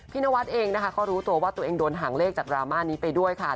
พี่นวัดเองนะคะ